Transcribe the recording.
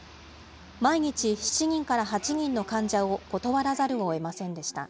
毎日７人から８人の患者を断らざるをえませんでした。